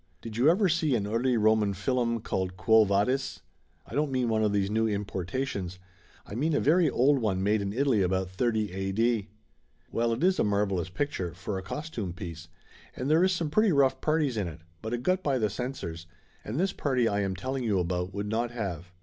Did you ever see an Early Roman fillum called Quo Vadis? I don't mean one of these new importations; I mean a very old one made in Italy about 30 A.D. ? Well, it is a marvelous picture, for a costume piece, and there is some pretty rough parties in it, but it got by the censors, and this party I am telling you about would not have.